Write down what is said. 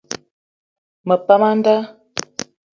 Me pam a nda.